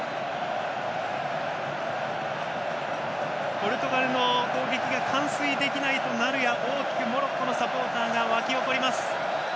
ポルトガルの攻撃が完遂できないとなるや大きくモロッコのサポーターが沸き起こります。